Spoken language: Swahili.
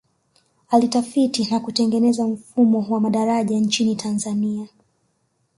alitafiti na kutengeneza mfumo wa madaraja nchini tanzania